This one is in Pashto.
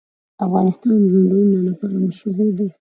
افغانستان د ځنګلونه لپاره مشهور دی.